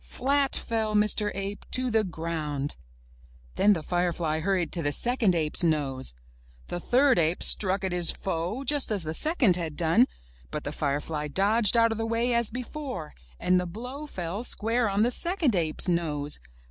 Flat fell Mr. Ape to the ground ! Then the firefly hurried to the second ape's nose The third ape struck at his foe, just as the second had done, but the firefly dodged out of the way as before, and the blow fell square on the second ape's nose